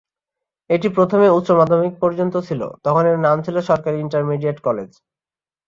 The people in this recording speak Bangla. এটি প্রথমে উচ্চ মাধ্যমিক পর্যন্ত ছিল, তখন এর নাম ছিল সরকারি ইন্টারমিডিয়েট কলেজ।